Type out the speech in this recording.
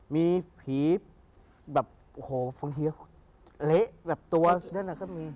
มีผีแบบโอ้โหบางทีเหละแบบตัวนั้นก็มี